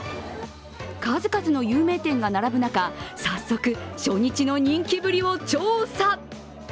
数々の有名店が並ぶ中、早速、初日の人気ぶりを調査。